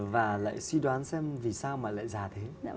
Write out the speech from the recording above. và lại suy đoán xem vì sao mà lại già thế